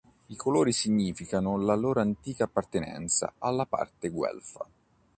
I colori significano la loro antica appartenenza alla Parte Guelfa.